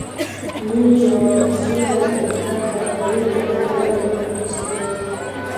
مينې يوه ماکسي او اوږده قهويي رنګه لمن اغوستې وه.